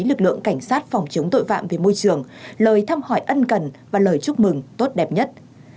lực lượng cảnh sát phòng chống tội phạm về môi trường lời thăm hỏi ân cần và lời chúc mừng tốt đẹp nhất